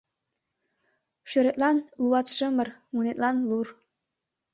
— Шӧретлан луатшымыр, мунетлан лур.